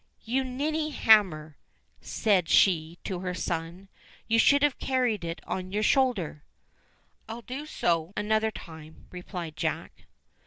"You ninney hammer," said she to her son ; "you should have carried it on your shoulder." "I'll do so another time," replied Jack.